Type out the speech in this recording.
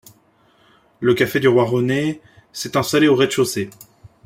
Le café du Roy René s'est installé au rez-de-chaussée.